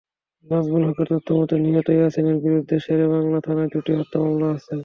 নাজমুল হকের তথ্যমতে, নিহত ইয়াসিনের বিরুদ্ধে শেরে বাংলা থানায় দুটি হত্যা মামলা আছে।